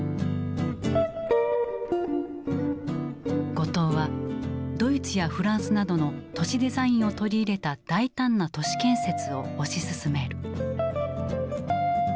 後藤はドイツやフランスなどの都市デザインを取り入れた大胆な都市建設を推し進める。